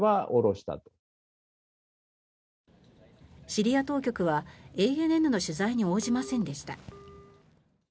シリア当局はＡＮＮの取材に応じませんでした。